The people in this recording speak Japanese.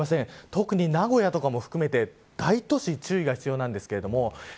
特に名古屋とかも含めて大都市は注意が必要です。